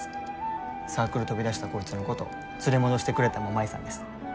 サークル飛び出したこいつのこと連れ戻してくれたんも舞さんです。